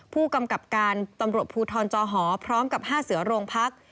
ผู้กำกับการตำรวจภูทรจอหอพร้อมกับ๕เสือโรงพัก